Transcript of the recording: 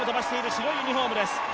白いユニフォームです。